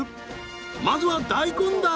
まずは大根だ。